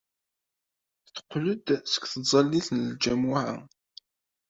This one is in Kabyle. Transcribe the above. Teqqel-d seg tẓallit n ljamuɛa.